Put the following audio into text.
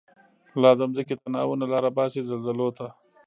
لا دځمکی تناوونه، لاره باسی زلزلوته